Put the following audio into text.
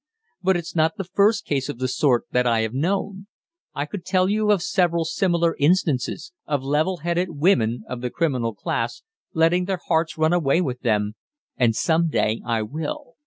But it's not the first case of the sort that I have known. I could tell you of several similar instances of level headed women of the criminal class letting their hearts run away with them, and some day I will.